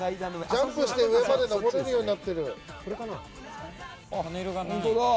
ジャンプして上まで上れるようになってる。